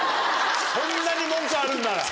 そんなに文句あるんなら。